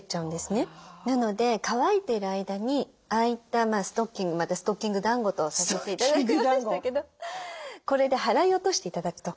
なので乾いている間にああいったストッキングストッキングだんごとさせて頂きましたけどこれで払い落として頂くと。